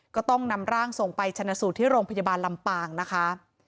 ก็ต้องนำร่างส่งไปชนะสูตรที่โรงพยาบาลลำปางนะคะ